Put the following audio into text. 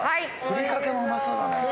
ふりかけもうまそうだね。